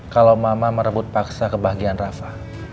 kalau mama merebut paksa kebahagiaan rafa